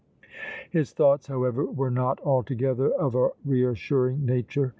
His thoughts, however, were not altogether of a reassuring nature.